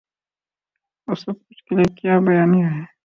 اس سب کچھ کے لیے کیا بیانیہ ہے۔